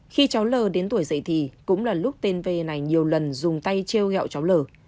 khi cháu lờ đến tuổi dậy thì cũng là lúc tên v này nhiều lần dùng tay treo gạo cháu lờ